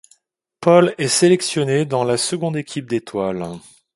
Paul est sélectionné dans la seconde équipe d'Étoiles.